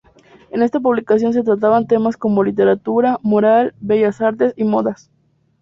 En esta publicación se trataban temas como literatura, moral, bellas artes y modas.